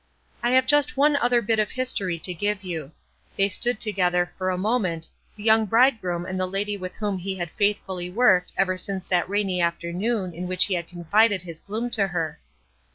I have just one other bit of history to give you. They stood together for a moment the young bridegroom and the lady with whom he had faithfully worked ever since that rainy afternoon in which he had confided his gloom to her.